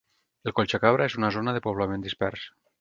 El Collsacabra és una zona de poblament dispers.